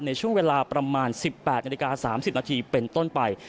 ในช่วงเวลาประมาณ๑๘นาฬิกา๓๐นาทีเป็นต้นไป